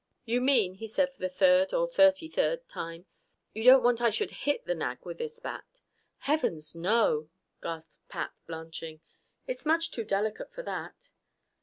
"You mean," he said for the third or thirty third time, "you don't want I should hit the nag with this bat?" "Heavens, no!" gasped Pat, blanching. "It's much too delicate for that."